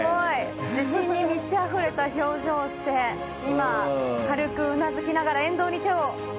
自信に満ちあふれた表情をして今、軽くうなずきながら沿道に手を。